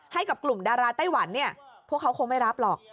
ให้กับกลุ่มดาราไต้หวันเนี่ยพวกเขาคงไม่รับหรอก